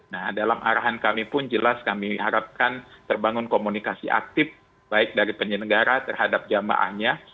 nah dalam arahan kami pun jelas kami harapkan terbangun komunikasi aktif baik dari penyelenggara terhadap jamaahnya